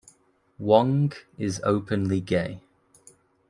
Wong is openly gay.